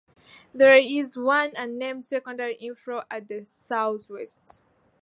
There is one unnamed secondary inflow at the southwest.